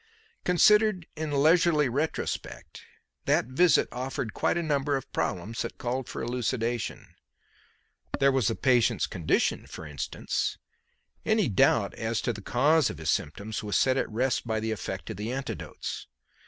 Considered in leisurely retrospect, that visit offered quite a number of problems that called for elucidation. There was the patient's condition, for instance. Any doubt as to the cause of his symptoms was set at rest by the effect of the antidotes.